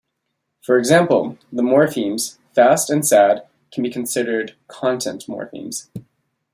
For example, the morphemes "fast" and "sad" can be considered content morphemes.